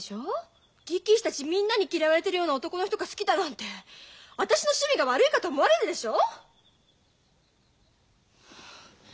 力士たちみんなに嫌われてるような男の人が好きだなんて私の趣味が悪いかと思われるでしょ。